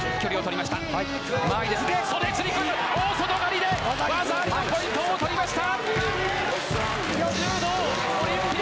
大外刈りで技ありのポイントを取りました！